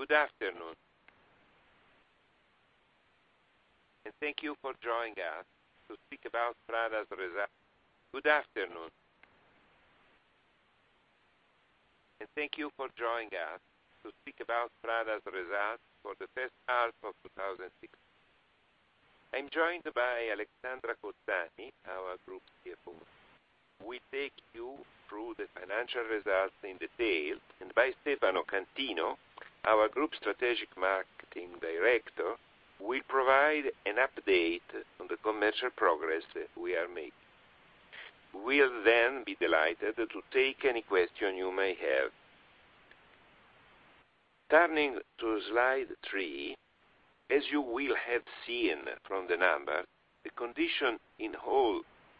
Good afternoon, and thank you for joining us to speak about Prada’s results for the first half of 2016. I’m joined by Alessandra Cozzani, our group CFO, who will take you through the financial results in detail, and by Stefano Cantino, our group strategic marketing director, who will provide an update on the commercial progress that we are making. We’ll then be delighted to take any question you may have. Turning to slide three, as you will have seen from the numbers, the condition in all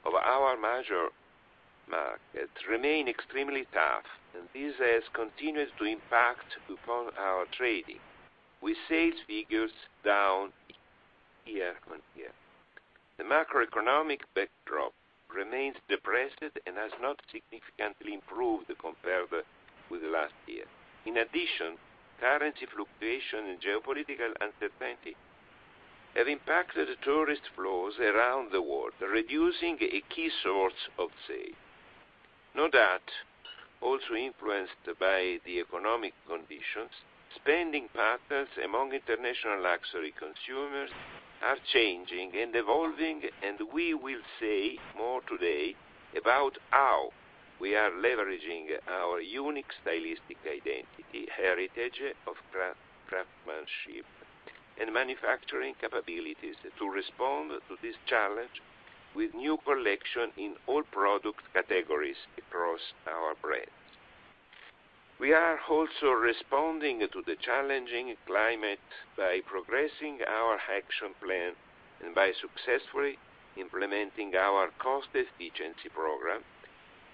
of our major markets remain extremely tough and this has continued to impact upon our trading, with sales figures down year-on-year. The macroeconomic backdrop remains depressed and has not significantly improved compared with last year. In addition, currency fluctuation and geopolitical uncertainty have impacted tourist flows around the world, reducing a key source of sales. No doubt, also influenced by the economic conditions, spending patterns among international luxury consumers are changing and evolving, and we will say more today about how we are leveraging our unique stylistic identity, heritage of craftsmanship, and manufacturing capabilities to respond to this challenge with new collections in all product categories across our brands. We are also responding to the challenging climate by progressing our action plan and by successfully implementing our cost efficiency program,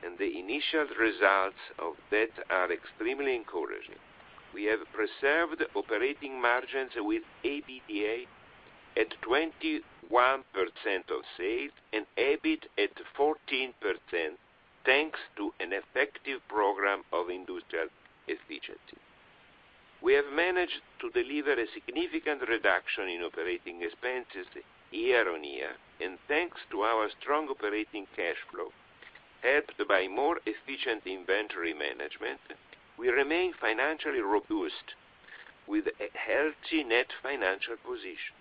and the initial results of that are extremely encouraging. We have preserved operating margins with EBITDA at 21% of sales and EBIT at 14%, thanks to an effective program of industrial efficiency. We have managed to deliver a significant reduction in operating expenses year-on-year, and thanks to our strong operating cash flow, helped by more efficient inventory management, we remain financially robust with a healthy net financial position.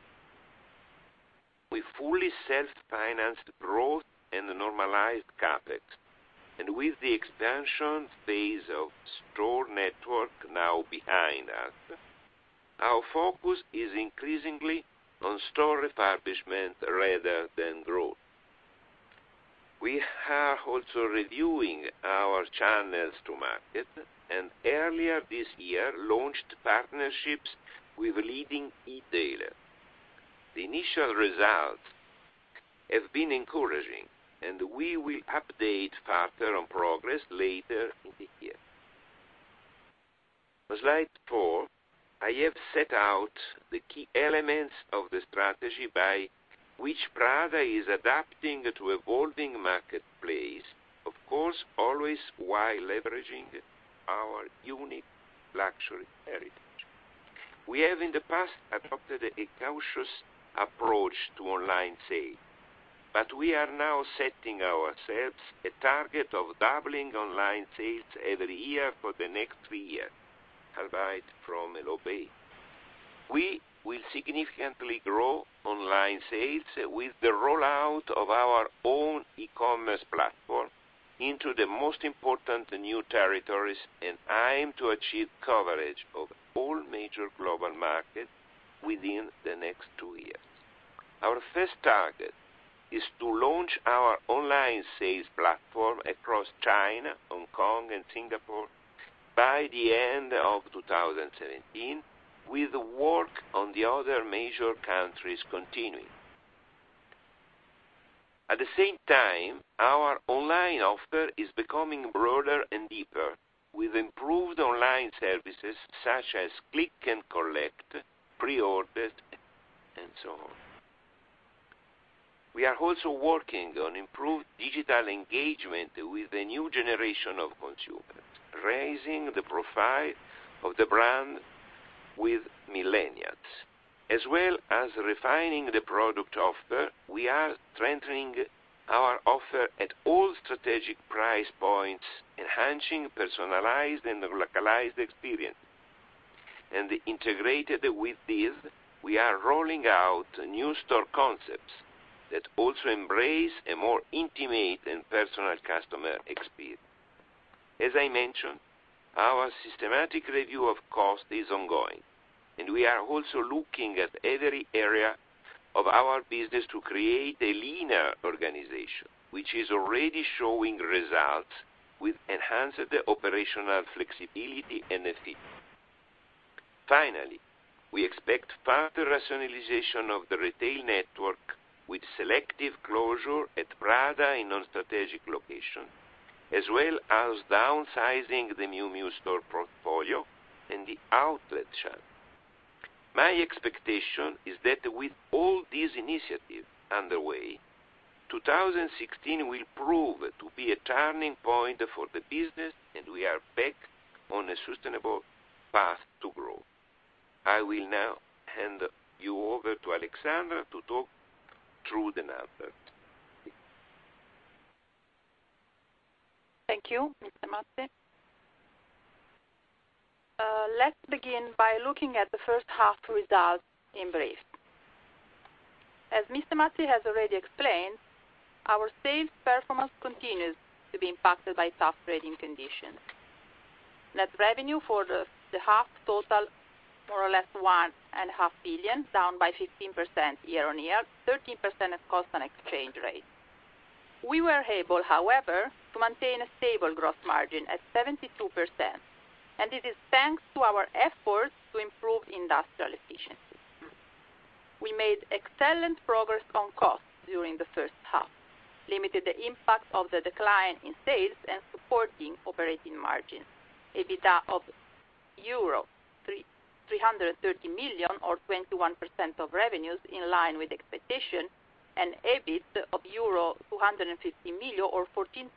We fully self-financed growth and normalized CapEx. With the expansion phase of store network now behind us, our focus is increasingly on store refurbishment rather than growth. We are also reviewing our channels to market and earlier this year launched partnerships with leading e-tailers. The initial results have been encouraging, and we will update partners on progress later in the year. Slide four, I have set out the key elements of the strategy by which Prada is adapting to evolving marketplace, of course, always while leveraging our unique luxury heritage. We have in the past adopted a cautious approach to online sales, but we are now setting ourselves a target of doubling online sales every year for the next three years, albeit from a low base. We will significantly grow online sales with the rollout of our own e-commerce platform into the most important new territories and aim to achieve coverage of all major global markets within the next two years. Our first target is to launch our online sales platform across China, Hong Kong, and Singapore by the end of 2017, with work on the other major countries continuing. At the same time, our online offer is becoming broader and deeper with improved online services such as click and collect, pre-orders, and so on. We are also working on improved digital engagement with a new generation of consumers, raising the profile of the brand with millennials. As well as refining the product offer, we are strengthening our offer at all strategic price points, enhancing personalized and localized experiences. Integrated with this, we are rolling out new store concepts that also embrace a more intimate and personal customer experience. As I mentioned, our systematic review of cost is ongoing. We are also looking at every area of our business to create a leaner organization, which is already showing results with enhanced operational flexibility and efficiency. Finally, we expect further rationalization of the retail network with selective closure at Prada in non-strategic location, as well as downsizing the Miu Miu store portfolio and the outlet shop. My expectation is that with all these initiatives underway, 2016 will prove to be a turning point for the business. We are back on a sustainable path to growth. I will now hand you over to Alessandra to talk through the numbers. Thank you, Mr. Mazzi. Let's begin by looking at the first half results in brief. As Mr. Mazzi has already explained, our sales performance continues to be impacted by tough trading conditions. Net revenue for the half total more or less 1.5 billion, down by 15% year-on-year, 13% at cost and exchange rate. We were able, however, to maintain a stable gross margin at 72%. It is thanks to our efforts to improve industrial efficiency. We made excellent progress on costs during the first half, limited the impact of the decline in sales, and supporting operating margin. EBITDA of euro 330 million or 21% of revenues, in line with expectation. EBIT of euro 250 million or 14%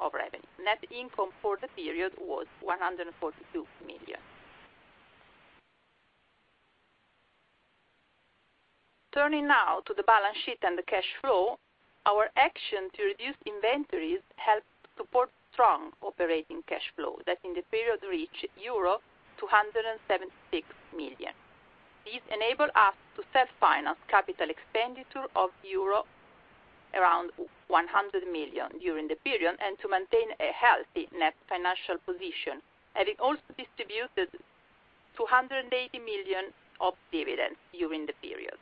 of revenues. Net income for the period was 142 million. Turning now to the balance sheet and the cash flow, our action to reduce inventories helped support strong operating cash flow that in the period reached euro 276 million. This enabled us to self-finance capital expenditure of EUR around 100 million during the period, to maintain a healthy net financial position, having also distributed 280 million of dividends during the period.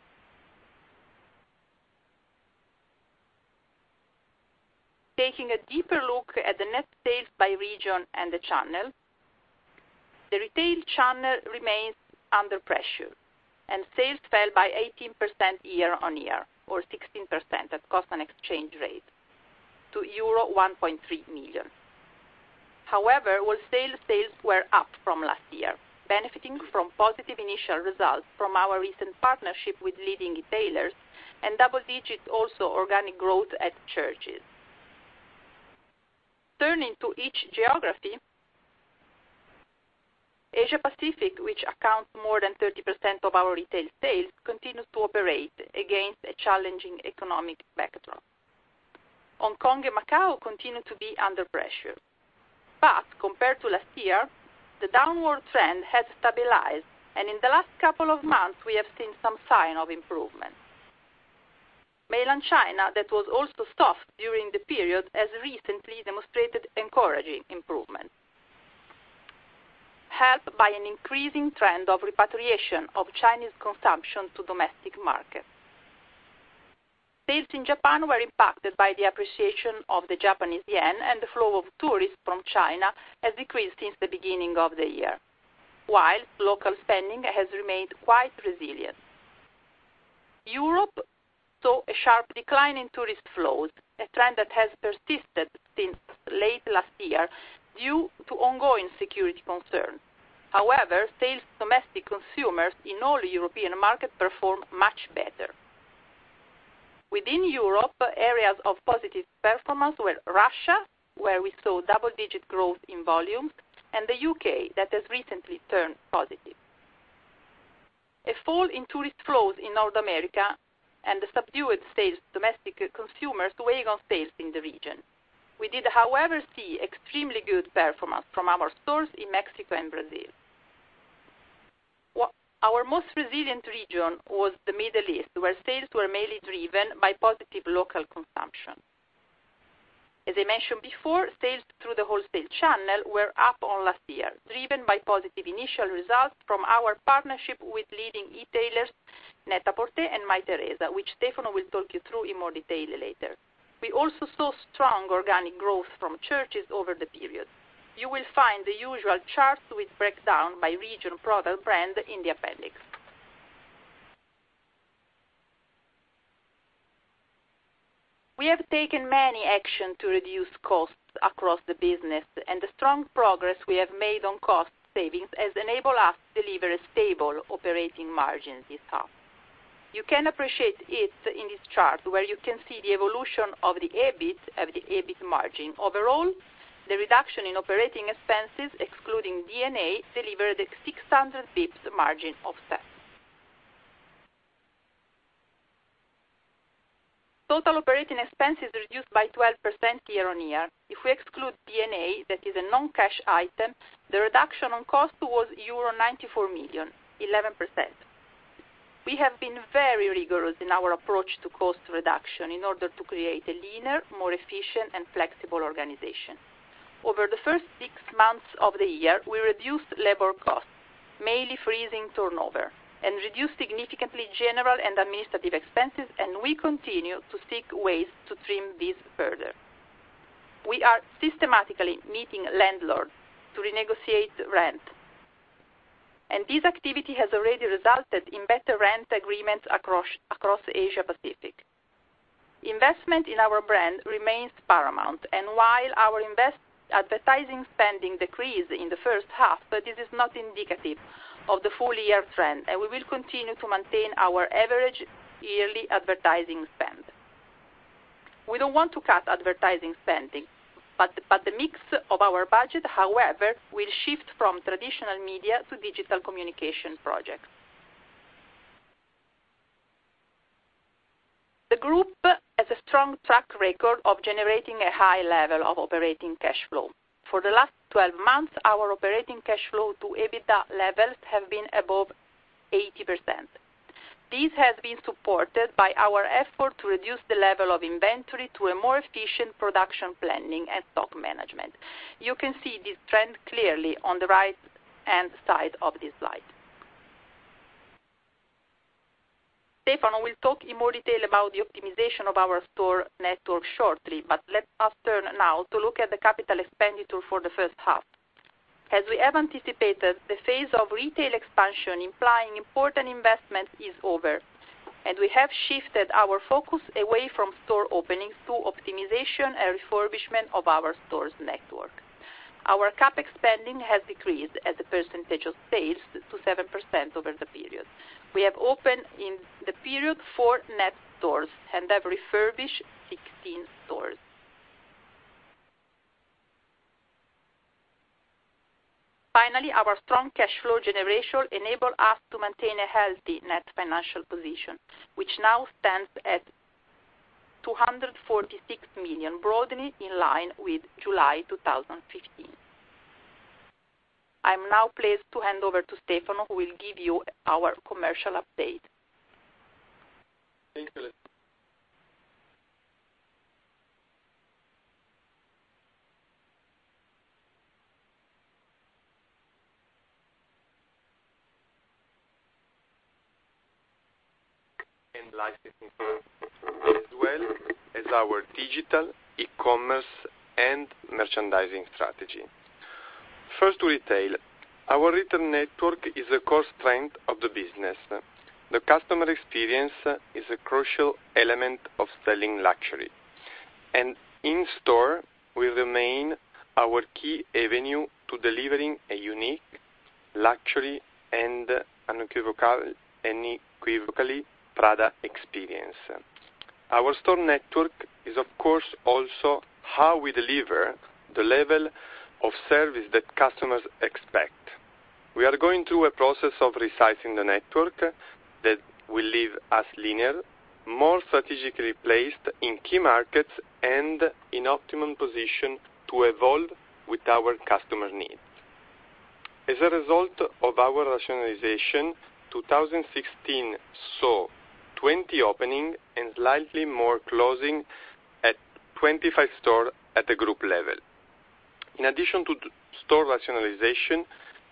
Taking a deeper look at the net sales by region and the channel. The retail channel remains under pressure. Sales fell by 18% year-on-year or 16% at cost and exchange rate to euro 1.3 million. However, wholesale sales were up from last year, benefiting from positive initial results from our recent partnership with leading retailers and double-digit also organic growth at Church's. Turning to each geography, Asia Pacific, which accounts more than 30% of our retail sales, continues to operate against a challenging economic backdrop. Hong Kong and Macau continue to be under pressure. Compared to last year, the downward trend has stabilized. In the last couple of months, we have seen some sign of improvement. Mainland China, that was also soft during the period, has recently demonstrated encouraging improvement, helped by an increasing trend of repatriation of Chinese consumption to domestic markets. Sales in Japan were impacted by the appreciation of the Japanese yen. The flow of tourists from China has decreased since the beginning of the year, while local spending has remained quite resilient. Europe saw a sharp decline in tourist flows, a trend that has persisted since late last year due to ongoing security concerns. However, sales to domestic consumers in all European markets performed much better. Within Europe, areas of positive performance were Russia, where we saw double-digit growth in volumes, and the U.K., that has recently turned positive. A fall in tourist flows in North America and the subdued sales to domestic consumers weigh on sales in the region. We did, however, see extremely good performance from our stores in Mexico and Brazil. Our most resilient region was the Middle East, where sales were mainly driven by positive local consumption. As I mentioned before, sales through the wholesale channel were up on last year, driven by positive initial results from our partnership with leading e-tailers, NET-A-PORTER and Mytheresa, which Stefano will talk you through in more detail later. We also saw strong organic growth from Church's over the period. You will find the usual charts with breakdown by region, product, brand in the appendix. We have taken many action to reduce costs across the business, and the strong progress we have made on cost savings has enabled us to deliver a stable operating margin this half. You can appreciate it in this chart, where you can see the evolution of the EBIT margin. Overall, the reduction in operating expenses, excluding D&A, delivered a 600 basis points margin offset. Total operating expenses reduced by 12% year-on-year. If we exclude D&A, that is a non-cash item, the reduction on cost was euro 94 million, 11%. We have been very rigorous in our approach to cost reduction in order to create a leaner, more efficient, and flexible organization. Over the first six months of the year, we reduced labor costs, mainly freezing turnover, and reduced significantly general and administrative expenses, and we continue to seek ways to trim this further. We are systematically meeting landlords to renegotiate rent, and this activity has already resulted in better rent agreements across Asia Pacific. Investment in our brand remains paramount. While our advertising spending decreased in the first half, but this is not indicative of the full year trend, and we will continue to maintain our average yearly advertising spend. We don't want to cut advertising spending, but the mix of our budget, however, will shift from traditional media to digital communication projects. The group has a strong track record of generating a high level of operating cash flow. For the last 12 months, our operating cash flow to EBITDA levels have been above 80%. This has been supported by our effort to reduce the level of inventory to a more efficient production planning and stock management. You can see this trend clearly on the right-hand side of this slide. Stefano will talk in more detail about the optimization of our store network shortly, but let us turn now to look at the capital expenditure for the first half. As we have anticipated, the phase of retail expansion implying important investment is over, and we have shifted our focus away from store openings to optimization and refurbishment of our stores network. Our CapEx spending has decreased as a percentage of sales to 7% over the period. We have opened in the period four net stores and have refurbished 16 stores. Finally, our strong cash flow generation enabled us to maintain a healthy net financial position, which now stands at 246 million, broadly in line with July 2015. I am now pleased to hand over to Stefano, who will give you our commercial update. Thank you. Licensing, as well as our digital, e-commerce, and merchandising strategy. First, retail. Our retail network is a core strength of the business. The customer experience is a crucial element of selling luxury. In store, we remain our key avenue to delivering a unique luxury and unequivocally Prada experience. Our store network is, of course, also how we deliver the level of service that customers expect. We are going through a process of resizing the network that will leave us leaner, more strategically placed in key markets, and in optimum position to evolve with our customer needs. As a result of our rationalization, 2016 saw 20 opening and slightly more closing at 25 stores at the group level. In addition to store rationalization,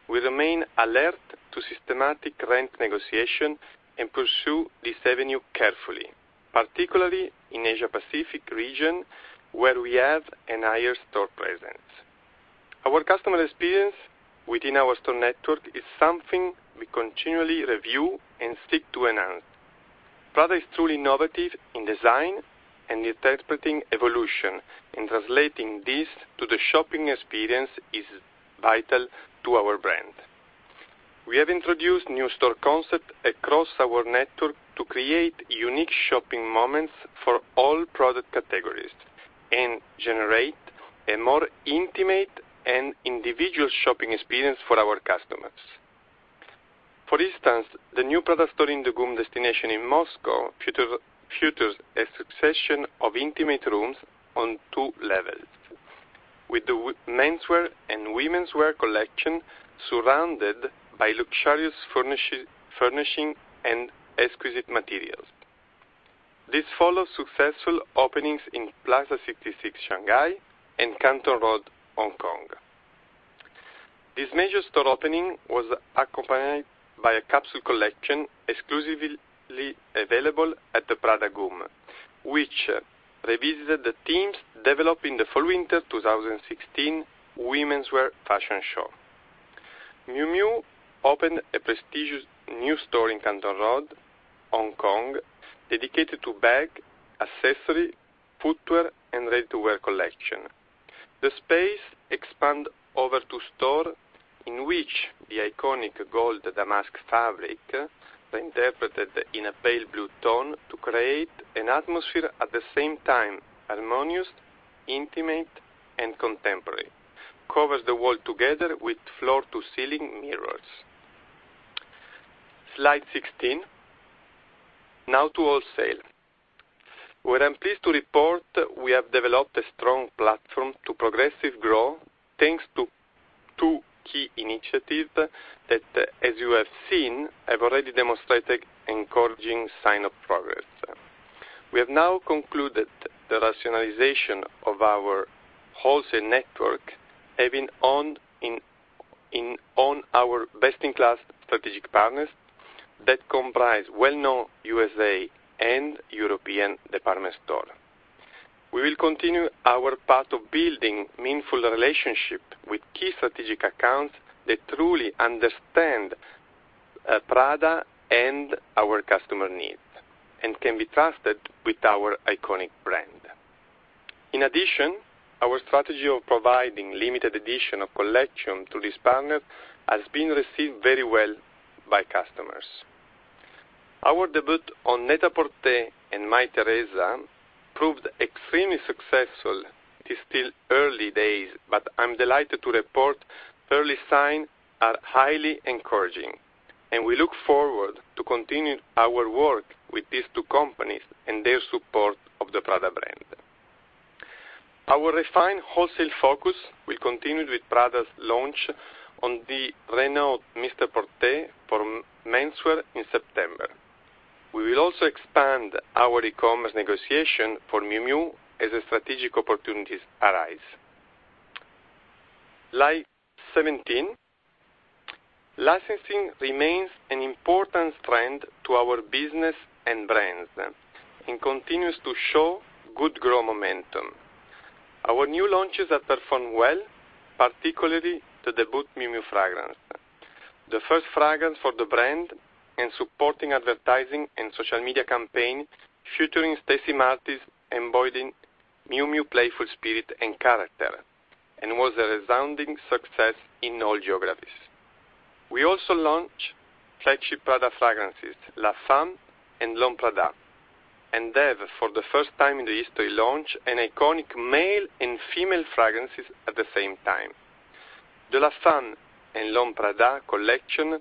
we remain alert to systematic rent negotiation and pursue this avenue carefully, particularly in Asia Pacific region, where we have a higher store presence. Our customer experience within our store network is something we continually review and seek to enhance. Prada is truly innovative in design and interpreting evolution and translating this to the shopping experience is vital to our brand. We have introduced new store concept across our network to create unique shopping moments for all product categories and generate a more intimate and individual shopping experience for our customers. For instance, the new Prada store in the GUM destination in Moscow features a succession of intimate rooms on two levels. With the menswear and womenswear collection surrounded by luxurious furnishing and exquisite materials. This follows successful openings in Plaza 66 Shanghai and Canton Road, Hong Kong. This major store opening was accompanied by a capsule collection exclusively available at the Prada GUM, which revisited the themes developed in the fall/winter 2016 womenswear fashion show. Miu Miu opened a prestigious new store in Canton Road, Hong Kong, dedicated to bag, accessory, footwear, and ready-to-wear collection. The space expand over two store in which the iconic gold damask fabric, reinterpreted in a pale blue tone to create an atmosphere at the same time harmonious, intimate, and contemporary. Covers the wall together with floor-to-ceiling mirrors. Slide 16. To wholesale, where I'm pleased to report we have developed a strong platform to progressive growth, thanks to two key initiatives that, as you have seen, have already demonstrated encouraging sign of progress. We have now concluded the rationalization of our wholesale network, having honed our best-in-class strategic partners that comprise well-known U.S. and European department stores. We will continue our path of building meaningful relationships with key strategic accounts that truly understand Prada and our customer needs and can be trusted with our iconic brand. In addition, our strategy of providing limited edition of collection to this partner has been received very well by customers. Our debut on NET-A-PORTER and Mytheresa proved extremely successful. It is still early days, I'm delighted to report early signs are highly encouraging, and we look forward to continuing our work with these two companies and their support of the Prada brand. Our refined wholesale focus will continue with Prada's launch on the renowned MR PORTER for menswear in September. We will also expand our e-commerce negotiation for Miu Miu as strategic opportunities arise. Slide 17. Licensing remains an important strength to our business and brands and continues to show good growth momentum. Our new launches have performed well, particularly the debut Miu Miu fragrance. The first fragrance for the brand and supporting advertising and social media campaign featuring Stacy Martin embodying Miu Miu playful spirit and character was a resounding success in all geographies. We also launched flagship Prada fragrances, La Femme and L'Homme Prada. They, for the first time in their history, launched an iconic male and female fragrances at the same time. The La Femme and L'Homme Prada collection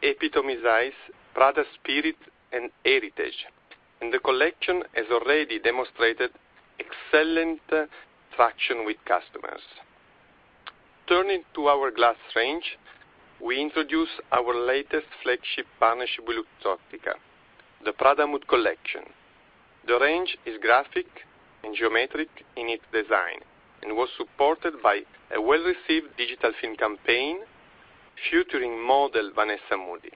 epitomizes Prada spirit and heritage. The collection has already demonstrated excellent traction with customers. Turning to our glass range, we introduce our latest flagship partnership with Luxottica, the Prada Mod collection. The range is graphic and geometric in its design and was supported by a well-received digital film campaign featuring model Vanessa Moody.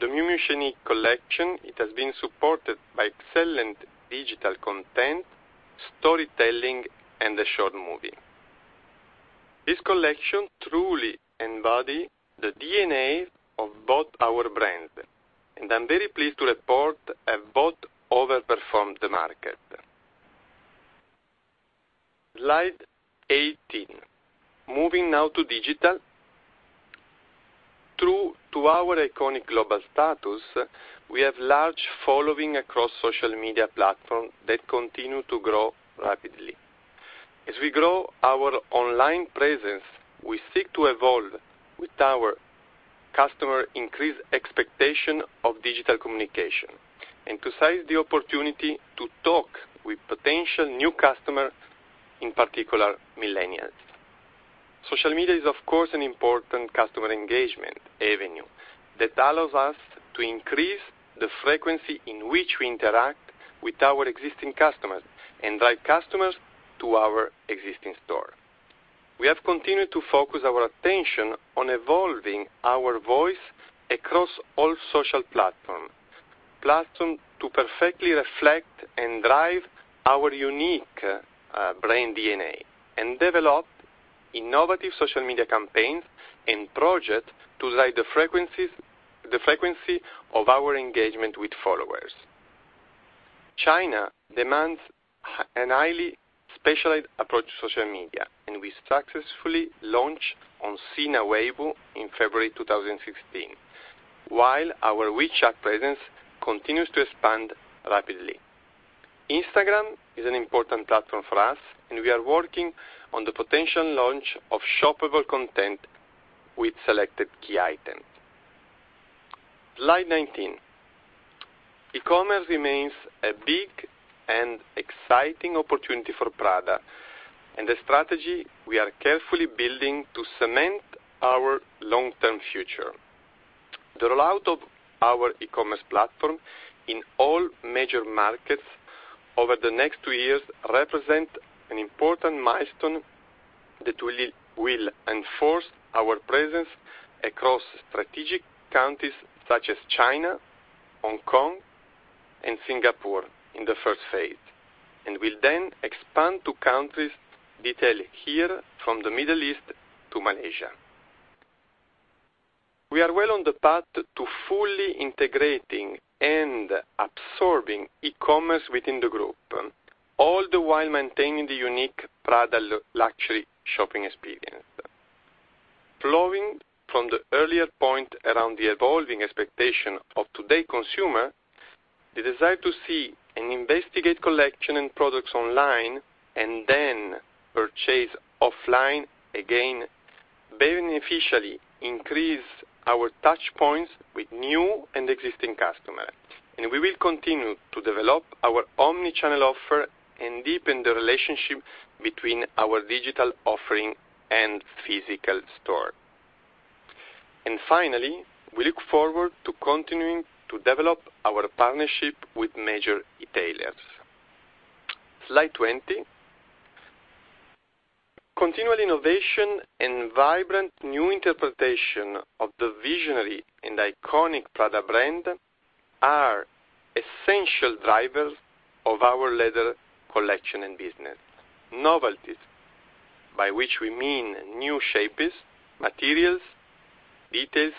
The Miu Miu Scenique collection has been supported by excellent digital content, storytelling, and a short movie. This collection truly embodies the DNA of both our brands. I'm very pleased to report have both overperformed the market. Slide 18. Moving now to digital. True to our iconic global status, we have large following across social media platforms that continue to grow rapidly. As we grow our online presence, we seek to evolve with our customer increased expectation of digital communication and to seize the opportunity to talk with potential new customers, in particular, millennials. Social media is, of course, an important customer engagement avenue that allows us to increase the frequency in which we interact with our existing customers and drive customers to our existing store. We have continued to focus our attention on evolving our voice across all social platforms to perfectly reflect and drive our unique brand DNA and develop innovative social media campaigns and projects to drive the frequency of our engagement with followers. China demands an highly specialized approach to social media. We successfully launched on Sina Weibo in February 2016, while our WeChat presence continues to expand rapidly. Instagram is an important platform for us. We are working on the potential launch of shoppable content with selected key items. Slide 19. E-commerce remains a big and exciting opportunity for Prada and a strategy we are carefully building to cement our long-term future. The rollout of our e-commerce platform in all major markets over the next two years represent an important milestone that will enforce our presence across strategic countries such as China, Hong Kong, and Singapore in the first phase and will then expand to countries detailed here from the Middle East to Malaysia. We are well on the path to fully integrating and absorbing e-commerce within the group, all the while maintaining the unique Prada luxury shopping experience. Flowing from the earlier point around the evolving expectation of today consumer, the desire to see and investigate collection and products online and then purchase offline again beneficially increase our touchpoints with new and existing customer, and we will continue to develop our omni-channel offer and deepen the relationship between our digital offering and physical store. Finally, we look forward to continuing to develop our partnership with major e-tailers. Slide 20. Continual innovation and vibrant new interpretation of the visionary and iconic Prada brand are essential drivers of our leather collection and business. Novelties, by which we mean new shapes, materials, details,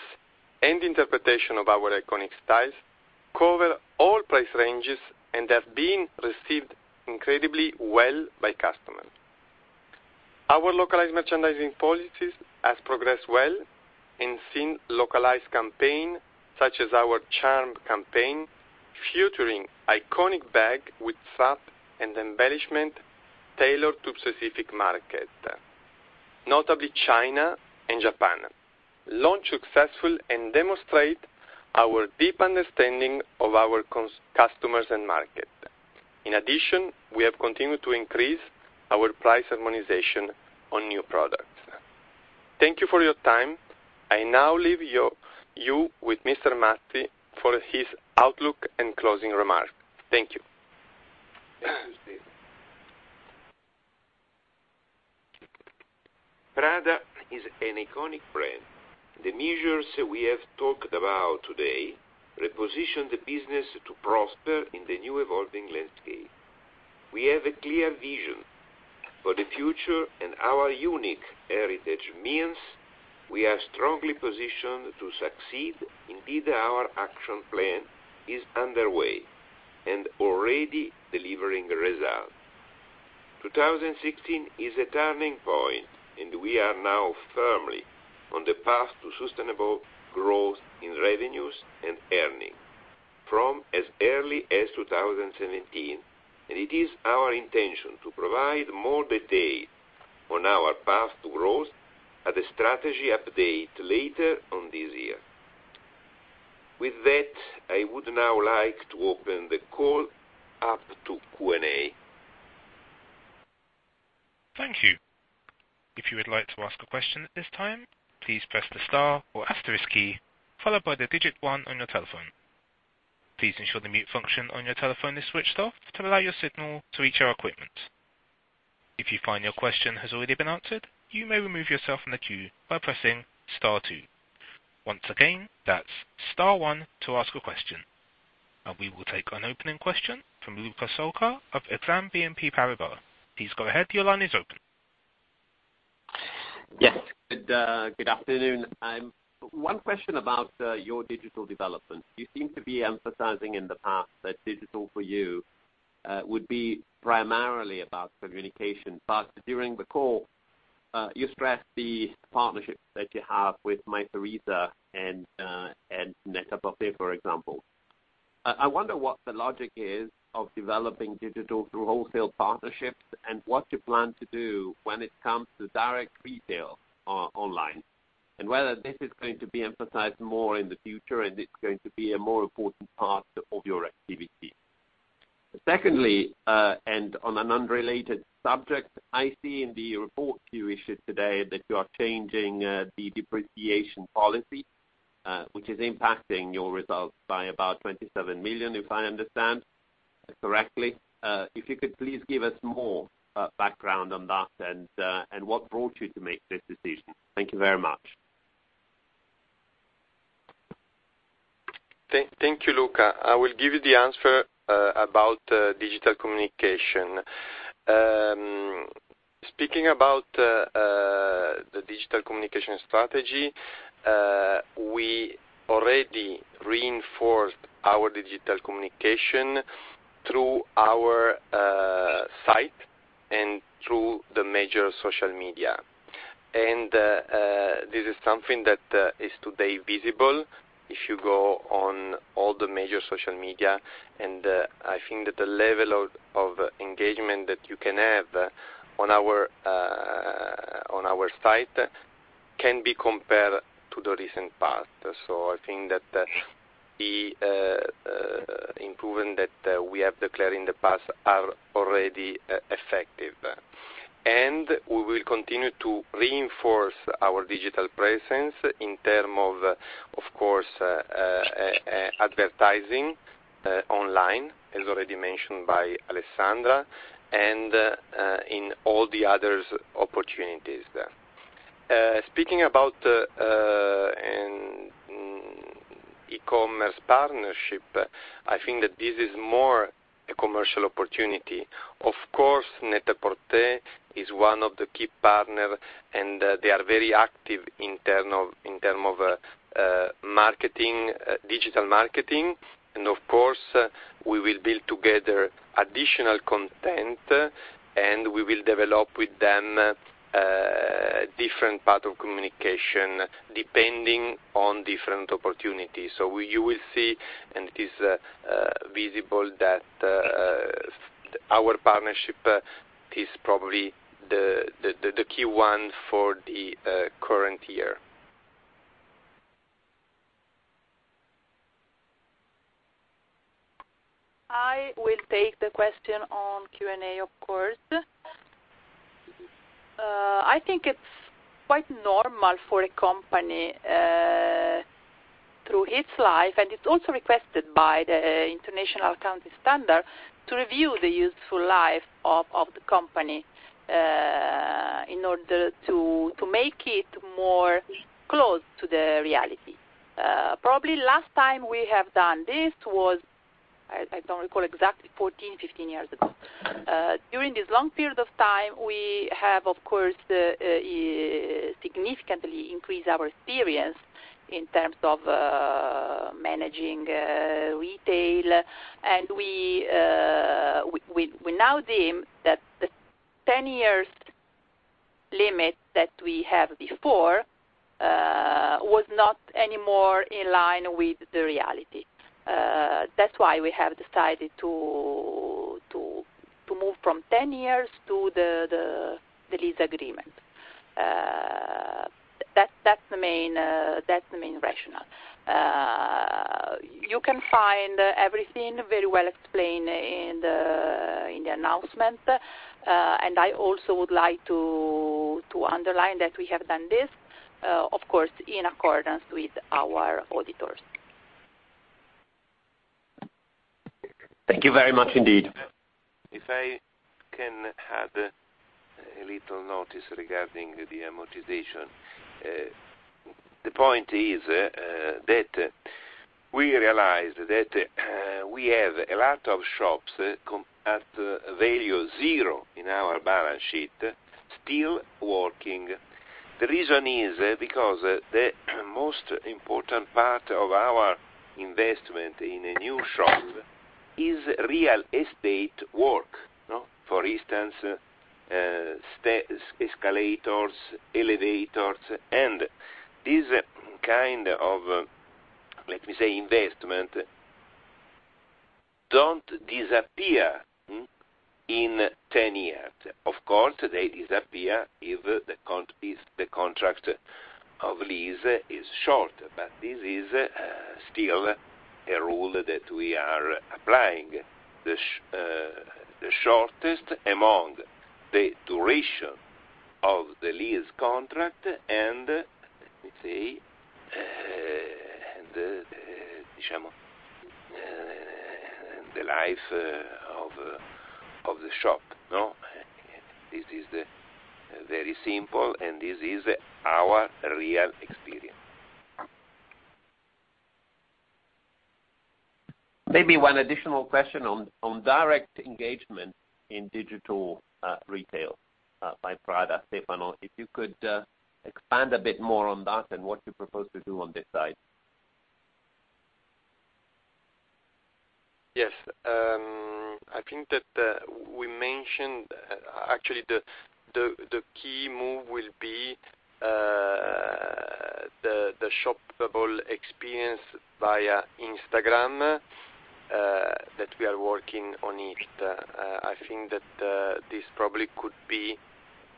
and interpretation of our iconic styles, cover all price ranges and have been received incredibly well by customers. Our localized merchandising policies have progressed well and seen localized campaigns, such as our Charm campaign, featuring iconic bags with fur and embellishment tailored to specific markets, notably China and Japan, launch successfully and demonstrate our deep understanding of our customers and market. In addition, we have continued to increase our price harmonization on new products. Thank you for your time. I now leave you with Mr. Mazzi for his outlook and closing remarks. Thank you. Thank you, Stefano. Prada is an iconic brand. The measures we have talked about today reposition the business to prosper in the new evolving landscape. We have a clear vision for the future, and our unique heritage means we are strongly positioned to succeed. Indeed, our action plan is underway and already delivering results. 2016 is a turning point, and we are now firmly on the path to sustainable growth in revenues and earnings from as early as 2017. It is our intention to provide more detail on our path to growth at the strategy update later on this year. With that, I would now like to open the call up to Q&A. Thank you. If you would like to ask a question at this time, please press the star or asterisk key, followed by the digit 1 on your telephone. Please ensure the mute function on your telephone is switched off to allow your signal to reach our equipment. If you find your question has already been answered, you may remove yourself from the queue by pressing star 2. Once again, that's star 1 to ask a question. We will take an opening question from Luca Solca of Exane BNP Paribas. Please go ahead. Your line is open. Yes. Good afternoon. One question about your digital development. You seemed to be emphasizing in the past that digital for you would be primarily about communication. During the call, you stressed the partnerships that you have with Mytheresa and NET-A-PORTER, for example. I wonder what the logic is of developing digital through wholesale partnerships and what you plan to do when it comes to direct retail online. Whether this is going to be emphasized more in the future, it's going to be a more important part of your activity. Secondly, on an unrelated subject, I see in the report you issued today that you are changing the depreciation policy, which is impacting your results by about 27 million, if I understand correctly. If you could please give us more background on that and what brought you to make this decision. Thank you very much. Thank you, Luca. I will give you the answer about digital communication. Speaking about the digital communication strategy, we already reinforced our digital communication through our site and through the major social media. This is something that is today visible if you go on all the major social media, and I think that the level of engagement that you can have on our site can be compared to the recent past. I think that the improvement that we have declared in the past is already effective. We will continue to reinforce our digital presence in terms of course, advertising online, as already mentioned by Alessandra, and in all the other opportunities. Speaking about e-commerce partnership, I think that this is more a commercial opportunity. Of course, NET-A-PORTER is one of the key partners, and they are very active in terms of marketing, digital marketing. Of course, we will build together additional content, and we will develop with them different parts of communication depending on different opportunities. You will see, and it is visible that our partnership is probably the key one for the current year. I will take the question on Q&A, of course. I think it's quite normal for a company its life, and it's also requested by the International Accounting Standards to review the useful life of the company, in order to make it more close to the reality. Probably last time we have done this was, I don't recall exactly, 14, 15 years ago. During this long period of time, we have, of course, significantly increased our experience in terms of managing retail, and we now deem that the 10 years limit that we had before was not any more in line with the reality. That's why we have decided to move from 10 years to the lease agreement. That's the main rationale. You can find everything very well explained in the announcement. I also would like to underline that we have done this, of course, in accordance with our auditors. Thank you very much indeed. If I can add a little notice regarding the amortization. The point is that we realized that we have a lot of shops at value zero in our balance sheet, still working. The reason is because the most important part of our investment in a new shop is real estate work. For instance, escalators, elevators, and this kind of, let me say, investment, don't disappear in 10 years. Of course, they disappear if the contract of lease is short, but this is still a rule that we are applying. The shortest among the duration of the lease contract and, let me say, the life of the shop. This is very simple, and this is our real experience. Maybe one additional question on direct engagement in digital retail by Prada. Stefano, if you could expand a bit more on that and what you propose to do on this side. Yes. I think that we mentioned, actually, the key move will be the shoppable experience via Instagram, that we are working on it. I think that this probably could be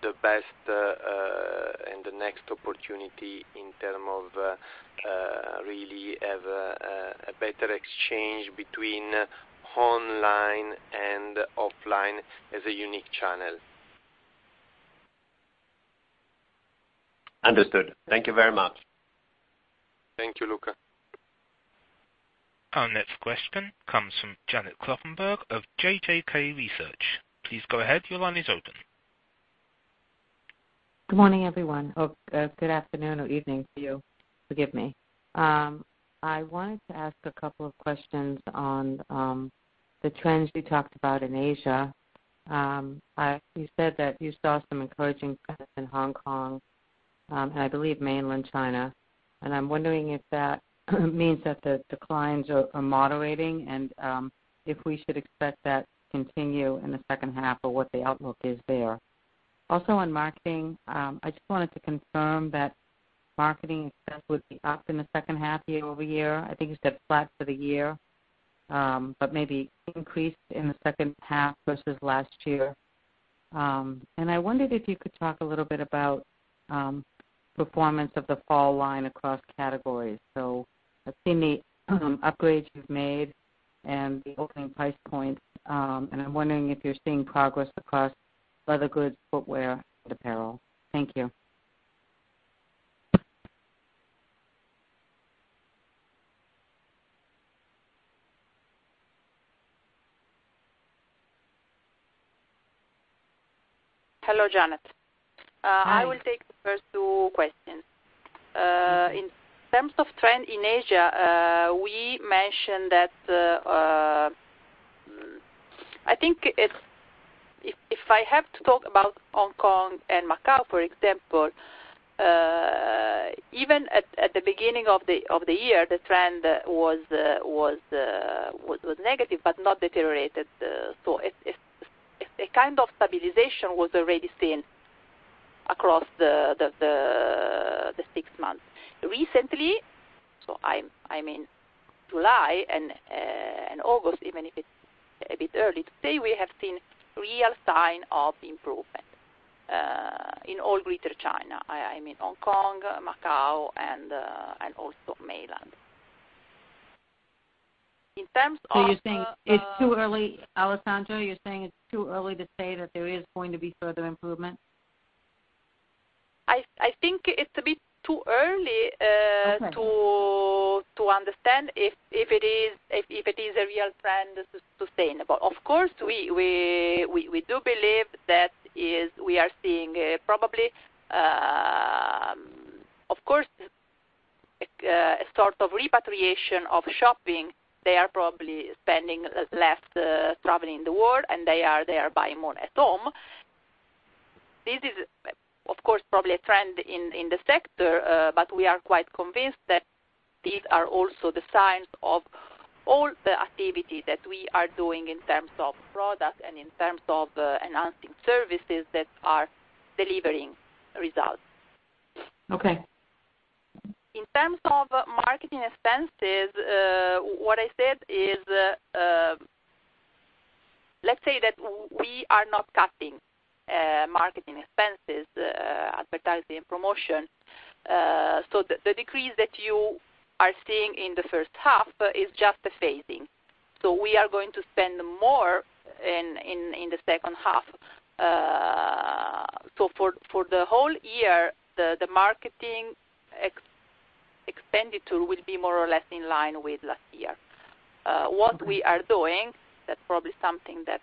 the best and the next opportunity in terms of really have a better exchange between online and offline as a unique channel. Understood. Thank you very much. Thank you, Luca. Our next question comes from Janet Kloppenburg of JJK Research. Please go ahead, your line is open. Good morning, everyone. Oh, good afternoon or evening to you. Forgive me. I wanted to ask a couple of questions on the trends we talked about in Asia. You said that you saw some encouraging trends in Hong Kong, and I believe mainland China, and I'm wondering if that means that the declines are moderating and if we should expect that to continue in the second half or what the outlook is there. Also on marketing, I just wanted to confirm that marketing expense would be up in the second half year-over-year. I think you said flat for the year, but maybe increased in the second half versus last year. I wondered if you could talk a little bit about performance of the fall line across categories. I've seen the upgrades you've made and the opening price points, and I'm wondering if you're seeing progress across leather goods, footwear, and apparel. Thank you. Hello, Janet. Hi. I will take the first two questions. In terms of trend in Asia, we mentioned that I think if I have to talk about Hong Kong and Macau, for example, even at the beginning of the year, the trend was negative but not deteriorated. A kind of stabilization was already seen across the six months. Recently, I'm in July and August, even if it's a bit early to say, we have seen real sign of improvement in all Greater China. I mean Hong Kong, Macau, and also Mainland. You're saying it's too early, Alessandra, you're saying it's too early to say that there is going to be further improvement? I think it's a bit too early. Okay To understand if it is a real trend, sustainable. Of course, we do believe that we are seeing probably, of course, a sort of repatriation of shopping. They are probably spending less traveling the world, and they are buying more at home. This is, of course, probably a trend in the sector, but we are quite convinced that these are also the signs of all the activities that we are doing in terms of product and in terms of enhancing services that are delivering results. Okay. In terms of marketing expenses, what I said is, let's say that we are not cutting marketing expenses, advertising, and promotion. The decrease that you are seeing in the first half is just a phasing. We are going to spend more in the second half. For the whole year, the marketing expenditure will be more or less in line with last year. What we are doing, that's probably something that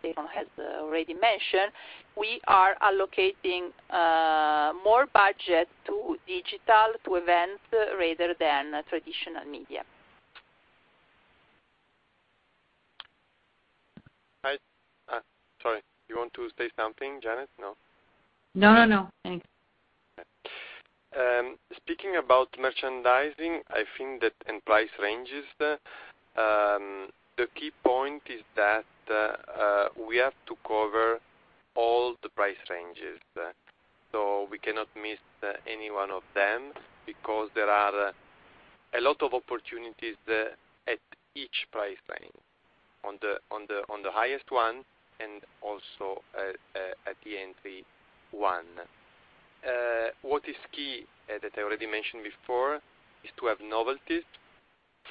Stefano has already mentioned, we are allocating more budget to digital, to events, rather than traditional media. Hi. Sorry, you want to say something, Janet? No. No, thanks. Speaking about merchandising, I think that in price ranges, the key point is that we have to cover all the price ranges. We cannot miss any one of them because there are a lot of opportunities at each price range, on the highest one and also at the entry one. What is key, as I already mentioned before, is to have novelties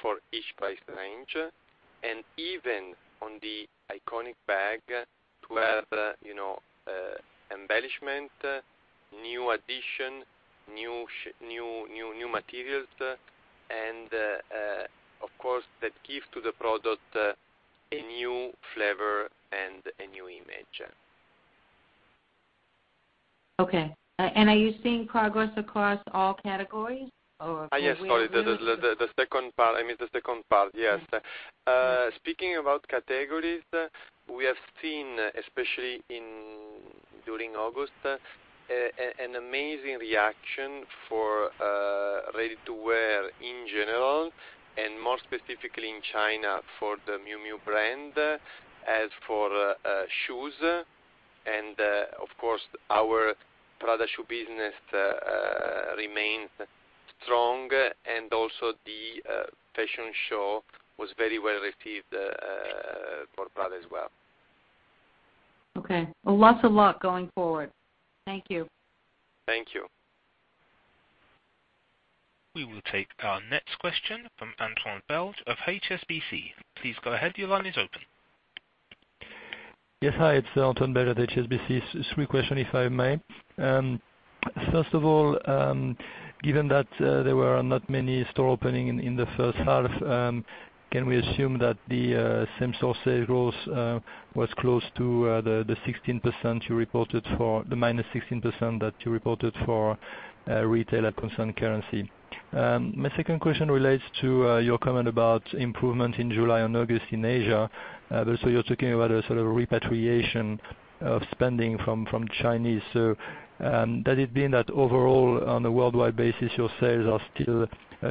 for each price range, and even on the iconic bag to have embellishment, new addition, new materials, and of course, that give to the product a new flavor and a new image. Okay. Are you seeing progress across all categories? Or can we- Yes, sorry. I missed the second part. Yes. Speaking about categories, we have seen, especially during August, an amazing reaction for ready-to-wear in general, and more specifically in China for the Miu Miu brand, as for shoes, and of course, our Prada shoe business remains strong, and also the fashion show was very well-received for Prada as well. Okay. Well, lots of luck going forward. Thank you. Thank you. We will take our next question from Antoine Belge of HSBC. Please go ahead. Your line is open. Yes. Hi, it's Antoine Belge at HSBC. Three question, if I may. First of all, given that there were not many store opening in the first half, can we assume that the same-store sales growth was close to the -16% that you reported for retail at constant currency? My second question relates to your comment about improvement in July and August in Asia. You're talking about a sort of repatriation of spending from Chinese. Does it mean that overall, on a worldwide basis, your sales are still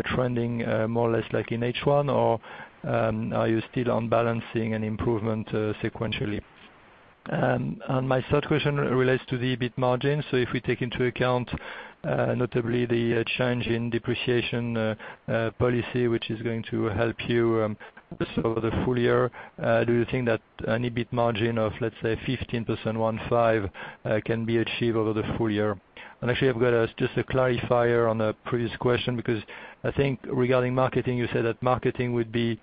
trending more or less like in H1, or are you still on balancing an improvement sequentially? My third question relates to the EBIT margin. If we take into account notably the change in depreciation policy, which is going to help you also over the full year, do you think that an EBIT margin of, let's say, 15% can be achieved over the full year? Actually, I've got just a clarifier on the previous question, because I think regarding marketing, you said that marketing would be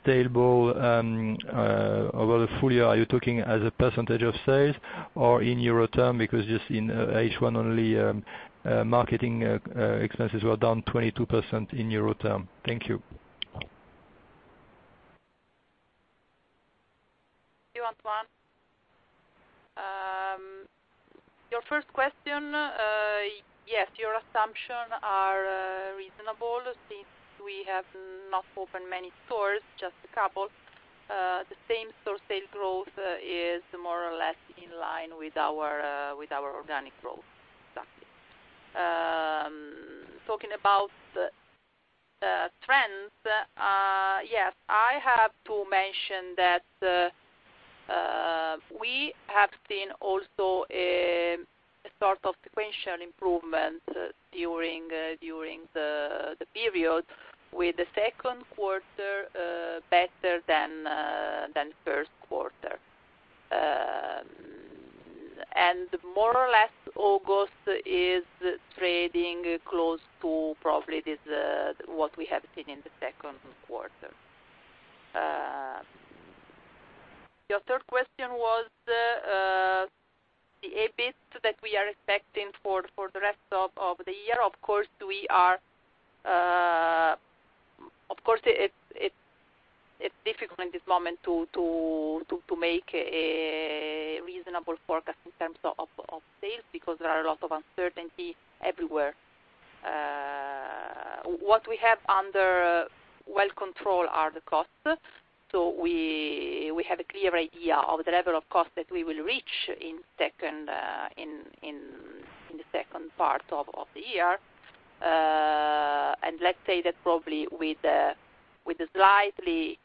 stable over the full year. Are you talking as a percentage of sales or in EUR term? Because just in H1 only, marketing expenses were down 22% in EUR term. Thank you. Thank you, Antoine. Your first question. Yes, your assumptions are reasonable since we have not opened many stores, just a couple. The same-store sales growth is more or less in line with our organic growth. Exactly. Talking about trends, yes, I have to mention that we have seen also a sort of sequential improvement during the period, with the second quarter better than first quarter. More or less, August is trading close to probably what we have seen in the second quarter. Your third question was the EBIT that we are expecting for the rest of the year. Of course, it's difficult in this moment to make a reasonable forecast in terms of sales because there are a lot of uncertainty everywhere. What we have under well control are the costs. We have a clear idea of the level of cost that we will reach in the second part of the year. Let's say that probably with the slightly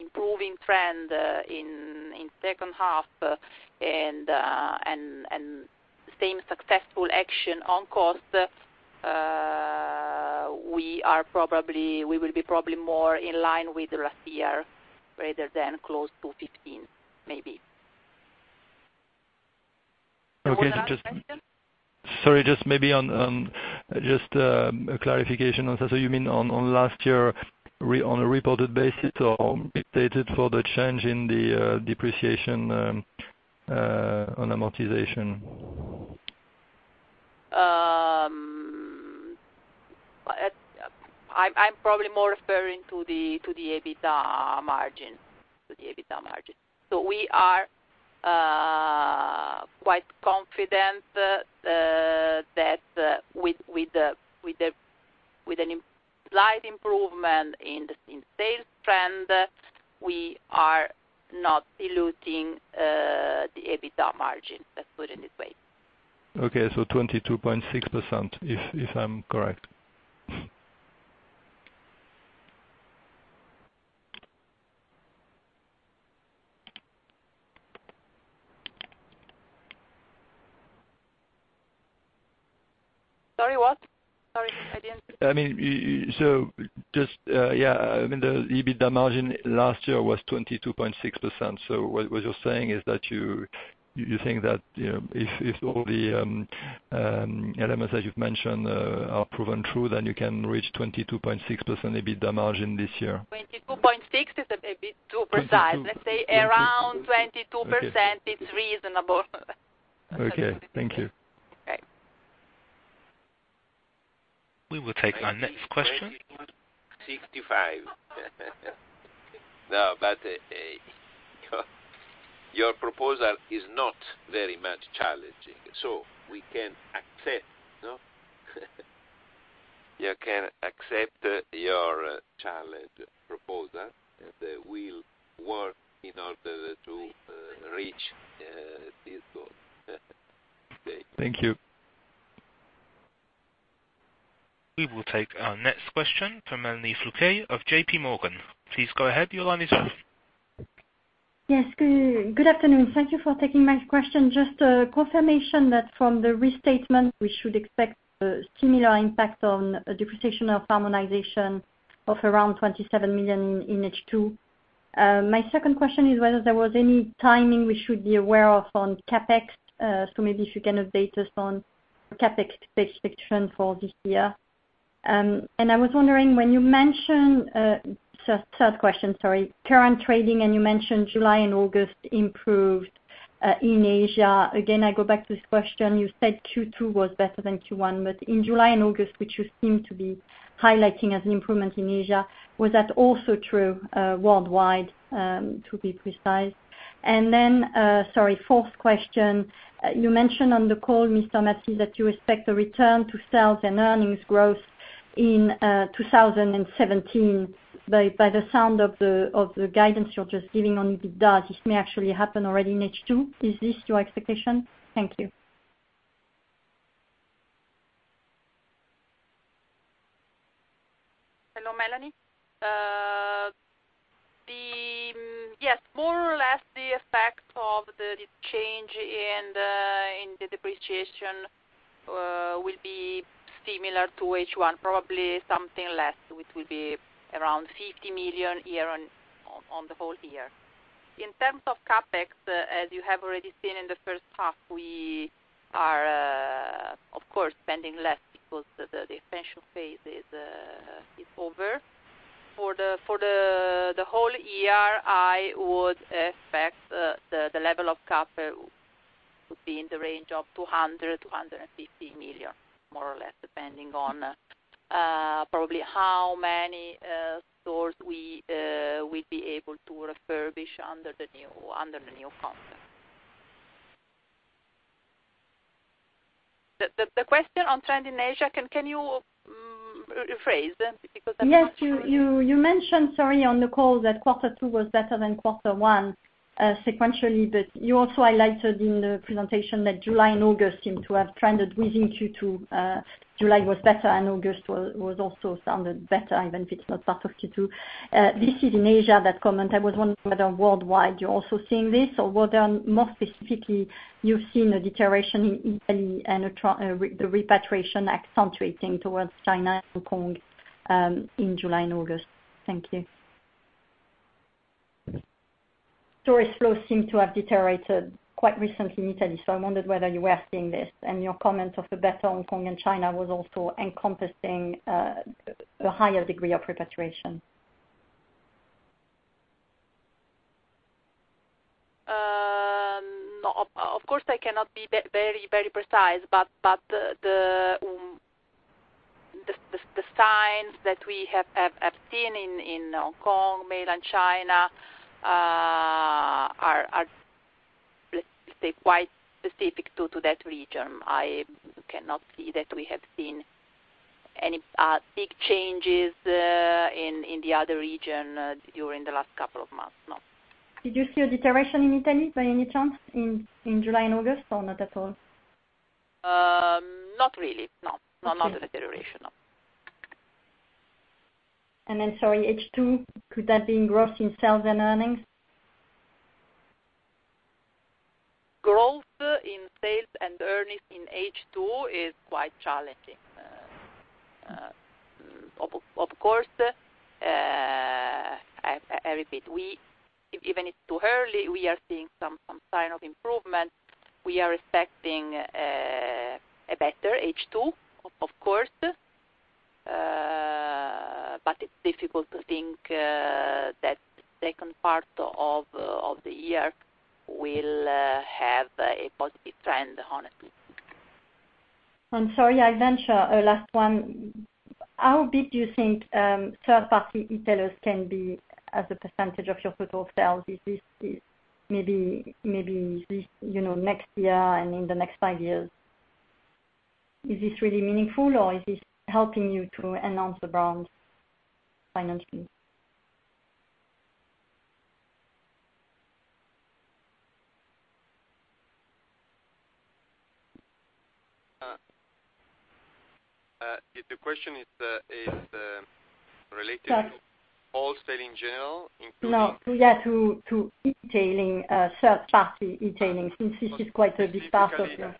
improving trend in second half and same successful action on cost, we will be probably more in line with last year rather than close to 2015, maybe. Okay. One other question. Sorry, just maybe a clarification on that. You mean on last year on a reported basis or updated for the change in the Depreciation & Amortization? I'm probably more referring to the EBITDA margin. We are quite confident that with a slight improvement in sales trend, we are not diluting the EBITDA margin. Let's put it this way. Okay. 22.6%, if I'm correct. Sorry, what? The EBITDA margin last year was 22.6%. What you're saying is that you think that if all the elements that you've mentioned are proven true, then you can reach 22.6% EBITDA margin this year. 22.6 is a bit too precise. 22. Let's say around 22%. Okay is reasonable. Okay. Thank you. Okay. We will take our next question. I think 22.65. No, your proposal is not very much challenging, we can accept, no? We can accept your challenge proposal, we'll work in order to reach this goal. Okay. Thank you. We will take our next question from Melanie Flouquert of J.P. Morgan. Please go ahead. Your line is open. Yes. Good afternoon. Thank you for taking my question. Just a confirmation that from the restatement, we should expect a similar impact on depreciation and amortization of around 27 million in H2. My second question is whether there was any timing we should be aware of on CapEx. Maybe if you can update us on CapEx expectation for this year. Third question, sorry. Current trading, you mentioned July and August improved in Asia. Again, I go back to this question, you said Q2 was better than Q1, but in July and August, which you seem to be highlighting as an improvement in Asia, was that also true worldwide, to be precise? Sorry, fourth question. You mentioned on the call, Mr. Mazzi, that you expect a return to sales and earnings growth in 2017. By the sound of the guidance you're just giving on EBITDA, this may actually happen already in H2. Is this your expectation? Thank you. Hello, Melanie. Yes, more or less the effect of the change in the depreciation will be similar to H1, probably something less, which will be around 50 million on the whole year. In terms of CapEx, as you have already seen in the first half, we are, of course, spending less because the expansion phase is over. For the whole year, I would expect the level of CapEx to be in the range of 200 million-250 million, more or less, depending on probably how many stores we will be able to refurbish under the new concept. The question on trend in Asia, can you rephrase them? Because I'm not sure- Yes. You mentioned, sorry, on the call that quarter two was better than quarter one sequentially, you also highlighted in the presentation that July and August seem to have trended within Q2. July was better, and August also sounded better, even if it's not part of Q2. This is in Asia, that comment. I was wondering whether worldwide you're also seeing this, or whether more specifically you've seen a deterioration in Italy and the repatriation accentuating towards China and Hong Kong in July and August. Thank you. Tourist flows seem to have deteriorated quite recently in Italy. I wondered whether you were seeing this, and your comment of the better Hong Kong and China was also encompassing a higher degree of repatriation. Of course, I cannot be very precise. The signs that we have seen in Hong Kong, mainland China are, let's say, quite specific to that region. I cannot see that we have seen any big changes in the other region during the last couple of months. No. Did you see a deterioration in Italy by any chance in July and August, or not at all? Not really, no. Okay. Not a deterioration, no. Sorry, H2, could that be in growth in sales and earnings? Growth in sales and earnings in H2 is quite challenging. Of course, I repeat, even if it's too early, we are seeing some sign of improvement. We are expecting a better H2, of course. It's difficult to think that second part of the year will have a positive trend, honestly. I'm sorry, I'll venture a last one. How big do you think third-party e-tailers can be as a percentage of your total sales? Maybe next year and in the next five years. Is this really meaningful, or is this helping you to enhance the brand financially? If the question is related to- Yes wholesale in general, including- No. To e-tailing, third-party e-tailing, since this is quite a big part of your-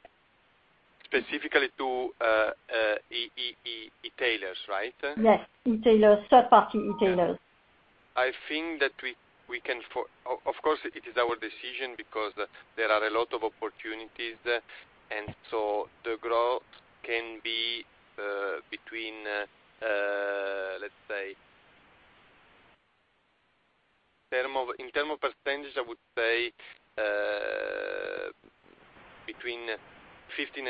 Specifically to e-tailers, right? Yes. Third-party e-tailers. Of course, it is our decision because there are a lot of opportunities, the growth can be between, in term of percentage, I would say between 15%-20%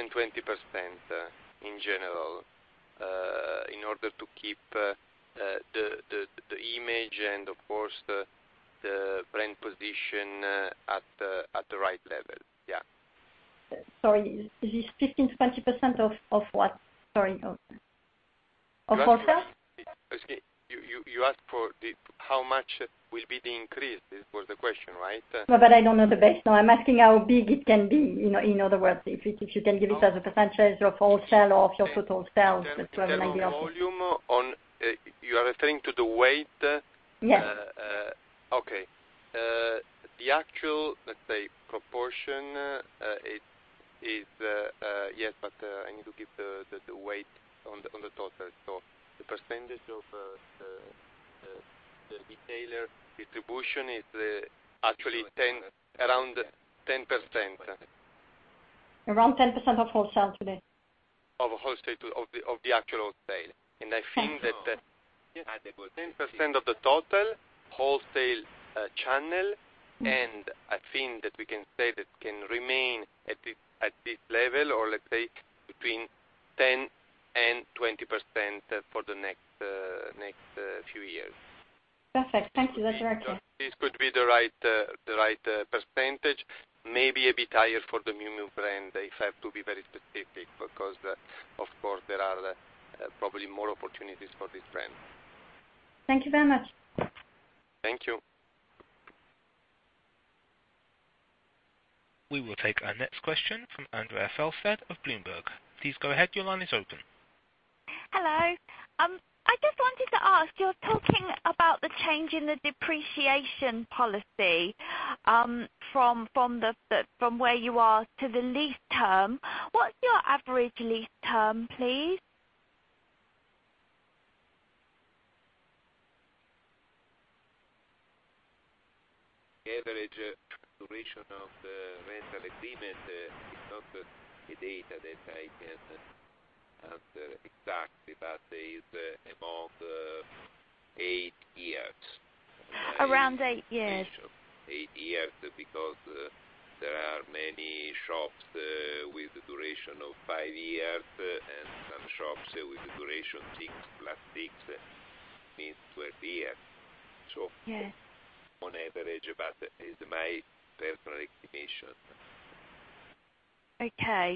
in general, in order to keep the image and, of course, the brand position at the right level. Yeah. Sorry, is this 15%-20% of what? Sorry. Of wholesale? You asked for how much will be the increase. This was the question, right? No, I don't know the base. No, I'm asking how big it can be, in other words. If you can give it as a percentage of wholesale or of your total sales just to have an idea of In terms of volume? You are referring to the weight? Yes. Okay. The actual, let's say, proportion is Yes, I need to give the weight on the total. The percentage of the e-tailer distribution is actually around 10%. Around 10% of wholesale today? Of the actual sale. I think that 10% of the total wholesale channel. I think that we can say that can remain at this level or, let's say, between 10% and 20% for the next few years. Perfect. Thank you. That's very clear. This could be the right percentage. Maybe a bit higher for the Miu Miu brand, if I have to be very specific, because of course, there are probably more opportunities for this brand. Thank you very much. Thank you. We will take our next question from Andrea Felsted of Bloomberg. Please go ahead. Your line is open. Hello. I just wanted to ask, you're talking about the change in the depreciation policy from where you are to the lease term. What's your average lease term, please? Average duration of the rental agreement is not the data that I can answer exactly, but is about eight years. Around eight years. Eight years, because there are many shops with a duration of five years, and some shops with a duration six plus six means 12 years. Yes. On average, it's my personal estimation. Okay.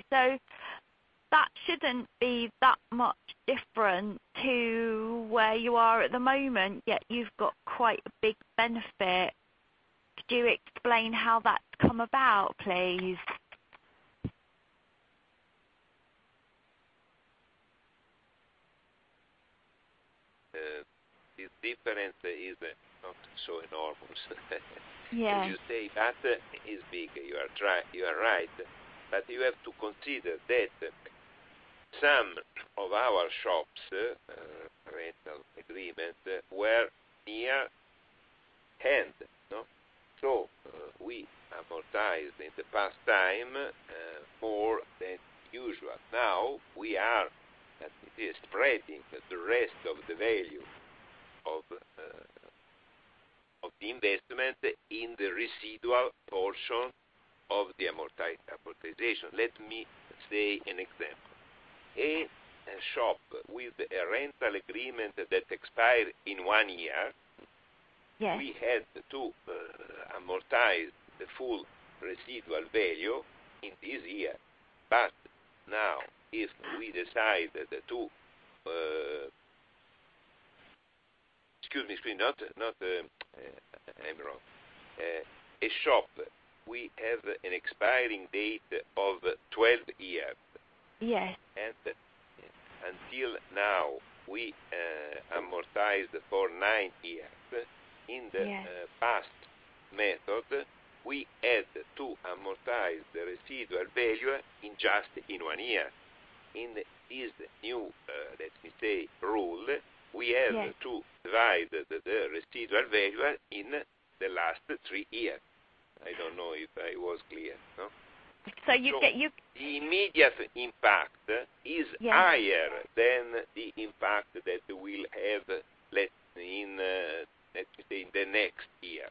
That shouldn't be that much different to where you are at the moment, yet you've got quite a big benefit. Could you explain how that's come about, please? This difference is not so enormous. Yes. When you say that is big, you are right. You have to consider that Some of our shops' rental agreement were near end. We amortized in the past time for the usual. We are spreading the rest of the value of the investment in the residual portion of the amortization. Let me say an example. A shop with a rental agreement that expired in one year. Yes We had to amortize the full residual value in this year. Now, if we decide to Excuse me. I am wrong. A shop, we have an expiring date of 12 years. Yes. until now, we amortized for nine years. Yes. In the past method, we had to amortize the residual value in just one year. In this new, let me say, rule, we have- Yes to divide the residual value in the last three years. I don't know if I was clear. you get- The immediate impact is higher than the impact that we'll have, let's say, in the next year.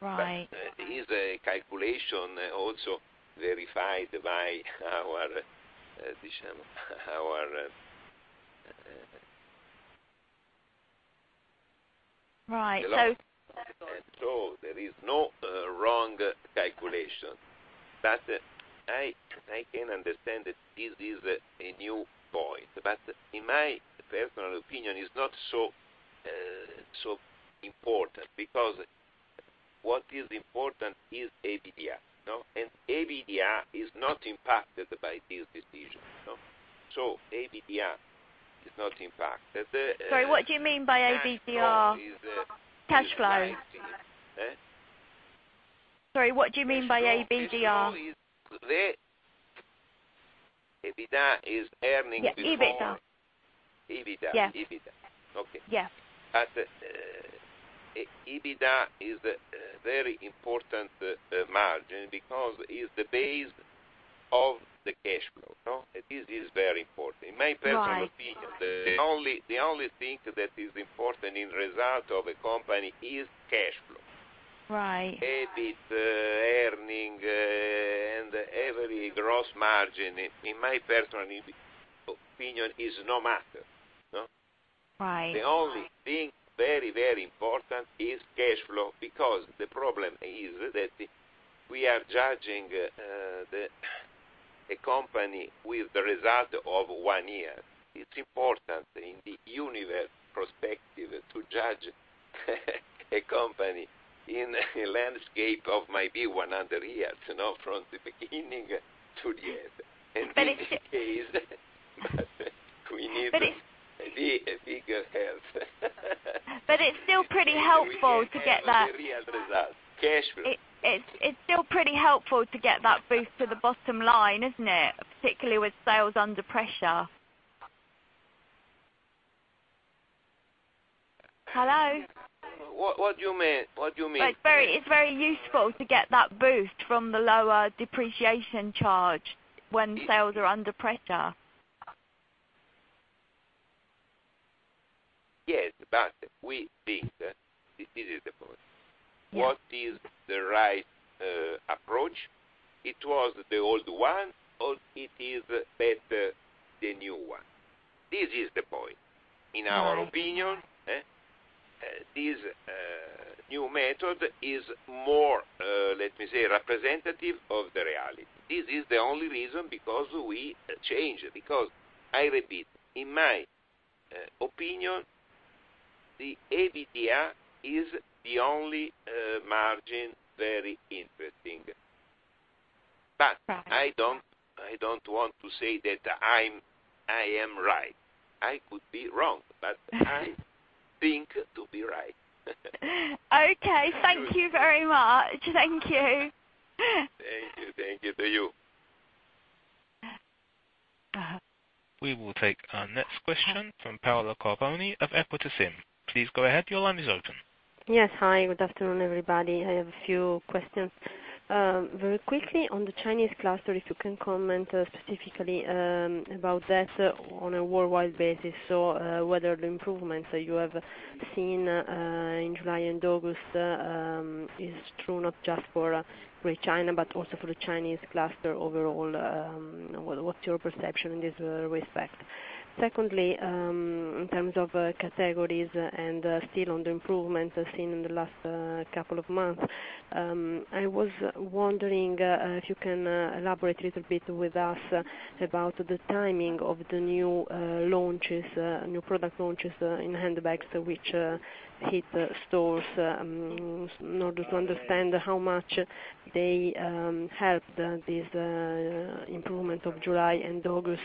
Right. It is a calculation also verified by our Right. There is no wrong calculation. I can understand that this is a new point, but in my personal opinion, it's not so important because what is important is EBITDA. EBITDA is not impacted by this decision. EBITDA is not impacted. Sorry, what do you mean by EBITDA? Cash flow is- Cash flow. Eh? Sorry, what do you mean by EBITDA? EBITDA is earning before- Yeah, EBITDA. EBITDA. Yes. EBITDA. Okay. Yes. EBITDA is a very important margin because it's the base of the cash flow. This is very important. In my personal opinion. Right The only thing that is important in result of a company is cash flow. Right. EBIT, earnings, every gross margin, in my personal opinion, is no matter. Right. The only thing very, very important is cash flow because the problem is that we are judging a company with the result of one year. It's important in the universe perspective to judge a company in a landscape of maybe 100 years, from the beginning to the end. It's- In this case, we need a bigger help. It's still pretty helpful. The real result, cash flow. It's still pretty helpful to get that boost to the bottom line, isn't it? Particularly with sales under pressure. Hello? What do you mean? It's very useful to get that boost from the lower depreciation charge when sales are under pressure. Yes, we think that this is the point. Yes. What is the right approach? It was the old one, or it is better the new one? This is the point. In our opinion, this new method is more, let me say, representative of the reality. This is the only reason because we changed, because I repeat, in my opinion, the EBITDA is the only margin very interesting. Right. I don't want to say that I am right. I could be wrong, but I think to be right. Okay. Thank you very much. Thank you. Thank you. Thank you to you. We will take our next question from Paola Carboni of Equita SIM. Please go ahead. Your line is open. Yes. Hi, good afternoon, everybody. I have a few questions. Very quickly on the Chinese cluster, if you can comment specifically about that on a worldwide basis. Whether the improvements that you have seen in July and August is true not just for Greater China, but also for the Chinese cluster overall. What's your perception in this respect? Secondly, in terms of categories and still on the improvements seen in the last couple of months, I was wondering if you can elaborate a little bit with us about the timing of the new product launches in handbags, which hit stores, in order to understand how much they helped this improvement of July and August